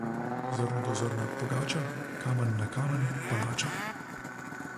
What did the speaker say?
Zrno do zrna pogača, kamen na kamen palača.